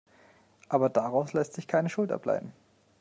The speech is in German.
Aber daraus lässt sich keine Schuld ableiten.